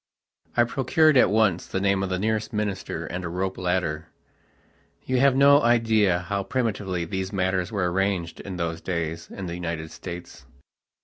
I procured at once the name of the nearest minister and a rope ladderyou have no idea how primitively these matters were arranged in those days in the United States.